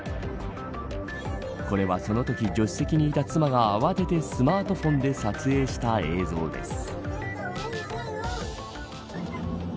これは、そのとき助手席にいた妻が慌ててスマートフォンで撮影した映像です。